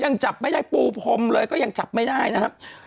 ยังจับไม่ได้ปูพรมเลยก็ยังจับไม่ได้นะครับ